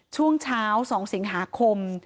ช่วงเช้า๒สิงหาคม